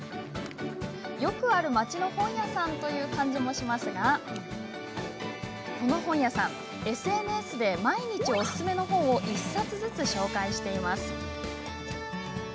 よくある町の本屋さんという感じですがこの本屋さん、ＳＮＳで毎日おすすめの本を１冊ずつ紹介しています。